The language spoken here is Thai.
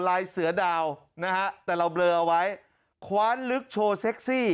ลายเสือดาวนะฮะแต่เราเบลอเอาไว้คว้านลึกโชว์เซ็กซี่